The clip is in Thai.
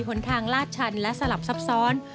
หนทางลาดชันและสลับซับซ้อน